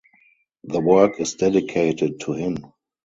The work is dedicated to him.